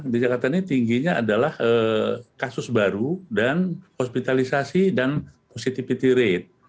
di jakarta ini tingginya adalah kasus baru dan hospitalisasi dan positivity rate